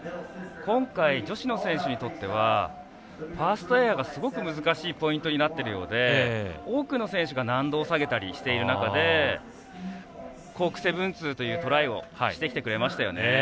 今回女子の選手にとってはファーストエアがすごい難しいポイントになっているようで多くの選手が難度を下げたりしている中でコーク７２０というトライをしてきてくれましたよね。